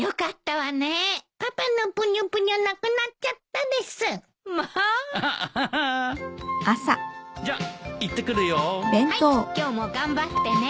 はい今日も頑張ってね。